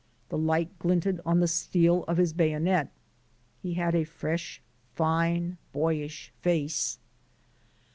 The light glinted on the steel of his bayonet. He had a fresh, fine, boyish face.